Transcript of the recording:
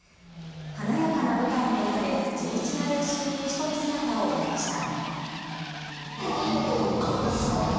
華やかな舞台の裏で地道な練習に打ち込む姿を追いました。